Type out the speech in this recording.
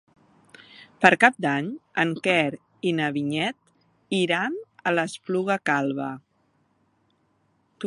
Per Cap d'Any en Quer i na Vinyet iran a l'Espluga Calba.